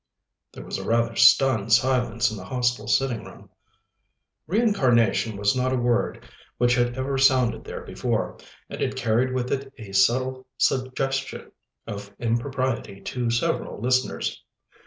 There was a rather stunned silence in the Hostel sitting room. Reincarnation was not a word which had ever sounded there before, and it carried with it a subtle suggestion of impropriety to several listeners.